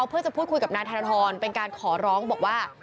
เพื่อจะพูดคุยกับนายธนทรเป็นการขอร้องบอกว่า